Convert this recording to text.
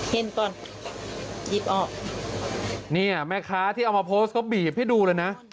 เห็นตอนหยิบออกเนี่ยแม่ค้าที่เอามาโพสต์ก็บีบให้ดูเลยนะ